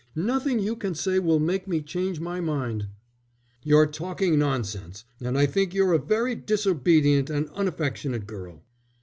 Nothing you can say will make me change my mind." "You're talking nonsense, and I think you're a very disobedient and unaffectionate girl."